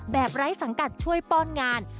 ไร้สังกัดช่วยป้อนงาน